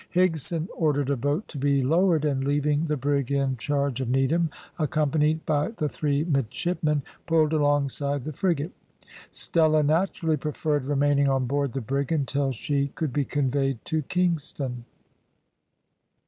Higson ordered a boat to be lowered, and leaving the brig in charge of Needham, accompanied by the three midshipmen, pulled alongside the frigate. Stella naturally preferred remaining on board the brig until she could be conveyed to Kingston.